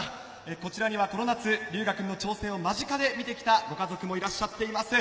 こちらには、この夏、龍芽くんの挑戦を間近で見てきたご家族もいらっしゃっています。